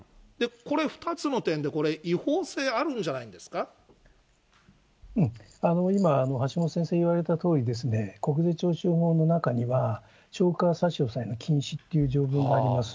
これ、２つの点で、これ、今、橋下先生言われたとおりですね、国税徴収法の中には、超過差し押さえの禁止という条文があります。